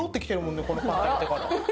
このパン食べてから。